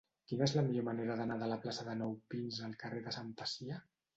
Quina és la millor manera d'anar de la plaça de Nou Pins al carrer de Sant Pacià?